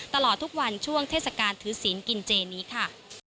ตลอดทุกวันช่วงเทศกาลถือศีลกินเจนี้ค่ะ